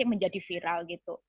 yang menjadi viral